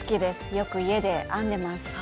よく家で編んでます。